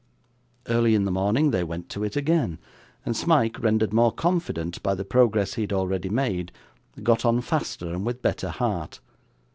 Early in the morning they went to it again, and Smike, rendered more confident by the progress he had already made, got on faster and with better heart.